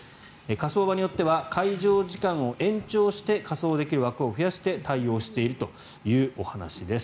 火葬場によっては開場時間を延長して火葬できる枠を増やして対応しているというお話です。